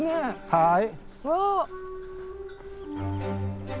はい。